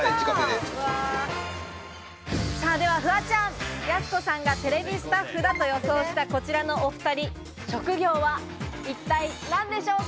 ではフワちゃん、やす子さんがテレビスタッフだと予想したこちらのお２人、職業は一体何でしょ